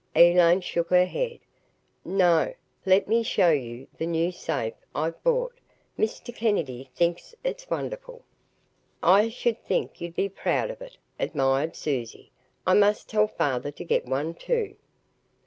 Elaine shook her head. "No. Let me show you the new safe I've bought. Mr. Kennedy thinks it wonderful." "I should think you'd be proud of it," admired Susie. "I must tell father to get one, too."